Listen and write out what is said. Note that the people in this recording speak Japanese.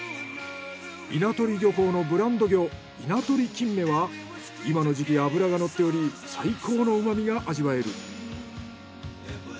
稲取漁港のブランド魚稲取キンメは今の時期脂がのっており最高のうまみが味わえる。